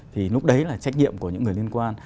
thì lúc đấy là trách nhiệm của những người liên quan